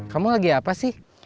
kamu lagi apa sih